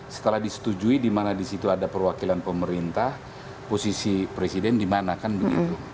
setelah disetujui di mana di situ ada perwakilan pemerintah posisi presiden di mana kan begitu